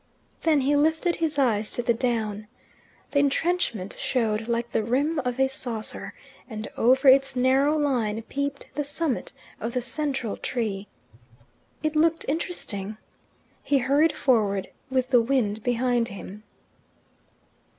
Then he lifted his eyes to the down. The entrenchment showed like the rim of a saucer, and over its narrow line peeped the summit of the central tree. It looked interesting. He hurried forward, with the wind behind him.